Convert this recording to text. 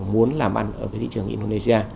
muốn làm ăn ở cái thị trường indonesia